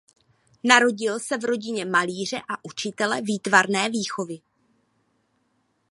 Narodil se v rodině malíře a učitele výtvarné výchovy.